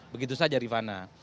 begitu saja rifana